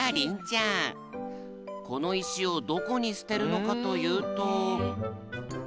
この石をどこに捨てるのかというと。